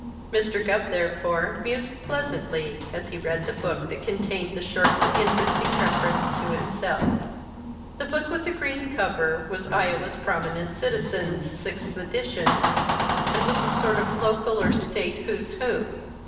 Mr. Gubb, therefore, mused pleasantly as he read the book that contained the short but interesting reference to himself. The book with the green cover was "Iowa's Prominent Citizens," sixth edition, and was a sort of local, or state, "Who's Who."